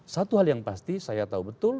satu hal yang pasti saya tahu betul